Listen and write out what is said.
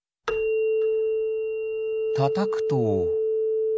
たたくと。